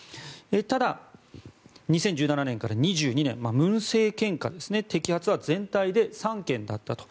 ただ、２０１７年から２０２２年文政権下ですね摘発は全体で３件だったと。